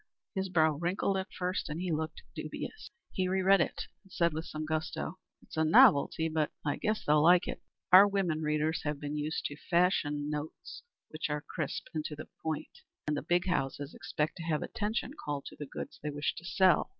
His brow wrinkled at first and he looked dubious. He re read it and said with some gusto, "It's a novelty, but I guess they'll like it. Our women readers have been used to fashion notes which are crisp and to the point, and the big houses expect to have attention called to the goods they wish to sell.